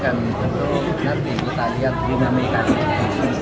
kan tentu nanti kita lihat dinamikanya